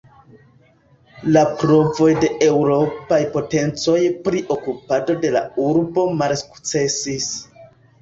La provoj de eŭropaj potencoj pri okupado de la urbo malsukcesis.